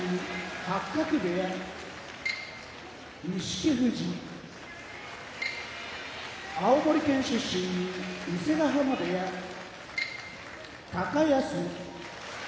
八角部屋錦富士青森県出身伊勢ヶ濱部屋高安